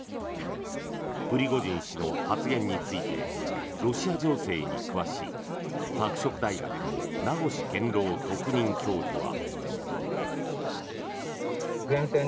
プリゴジン氏の発言についてロシア情勢に詳しい拓殖大学の名越健郎特任教授は。